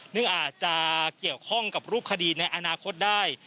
อาจจะเกี่ยวข้องกับรูปคดีในอนาคตได้